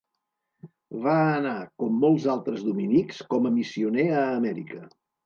Va anar, com molts altres dominics, com a missioner a Amèrica.